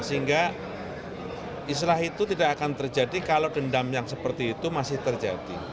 sehingga islah itu tidak akan terjadi kalau dendam yang seperti itu masih terjadi